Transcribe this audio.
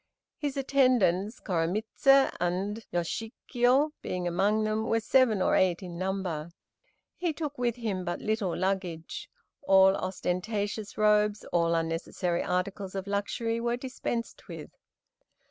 His attendants, Koremitz and Yoshikiyo being among them, were seven or eight in number. He took with him but little luggage. All ostentatious robes, all unnecessary articles of luxury were dispensed with.